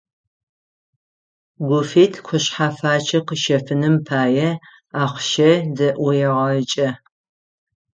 Гуфит кушъхьэфачъэ къыщэфыным пае ахъщэ зэӀуегъэкӏэ.